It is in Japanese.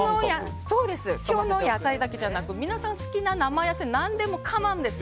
今日の野菜だけじゃなく皆さん好きな生野菜何でもカモンです。